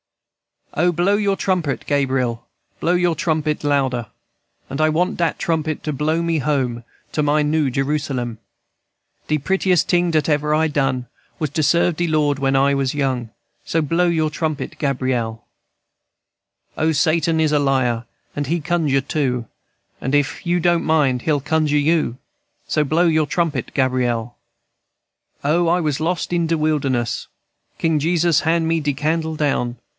"O, blow your trumpet, Gabriel, Blow your trumpet louder; And I want dat trumpet to blow me home To my new Jerusalem. "De prettiest ting dat ever I done Was to serve de Lord when I was young. So blow your trumpet, Gabriel, &c. "O, Satan is a liar, and he conjure too, And if you don't mind, he'll conjure you. So blow your trumpet, Gabriel, &c. "O, I was lost in de wilderness. King Jesus hand me de candle down.